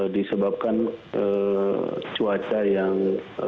disebabkan cuaca yang